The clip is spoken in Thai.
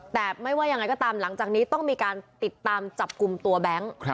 แต่ไม่ว่ายังไงก็ตามหลังจากนี้ต้องมีการติดตามจับกลุ่มตัวแบงค์